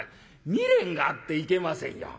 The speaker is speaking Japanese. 未練があっていけませんよ。